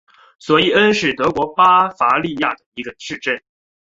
索伊恩是德国巴伐利亚州的一个市镇。